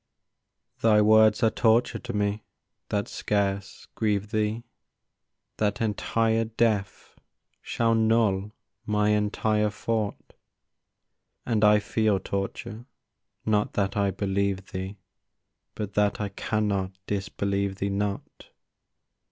Thy words are torture to me, that scarce grieve thee— That entire death shall null my entire thought; And I feel torture, not that I believe thee, But that I cannot disbelieve thee not.